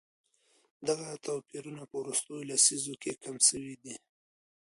دغه توپيرونه په وروستيو لسيزو کي کم سوي دي.